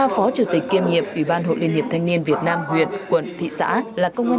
ba phó chủ tịch kiêm nhiệm ủy ban hội liên hiệp thanh niên việt nam huyện quận thị xã là công an